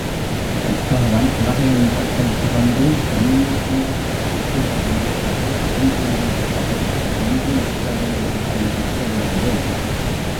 தற்காலம் உலக இன்பத்தைத் துறந்து சன்னியாசியாக வசித்து வரும் இவருக்கு என்றும் எங்கள் சபை நன்றியறிதலுடையதாயிருக்க வேண்டும்.